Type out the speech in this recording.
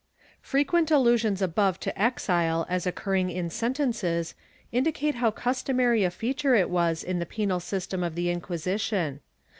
Frequent allusions above to exile as occurring in sentences indicate how customary a feature it was in the penal system of the Inquisition.